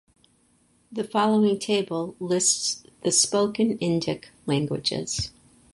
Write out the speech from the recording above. The following table lists the spoken Indic languages.